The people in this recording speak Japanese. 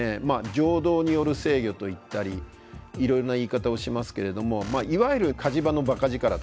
情動による制御といったりいろいろな言い方をしますけれどもいわゆる火事場のばか力とかですね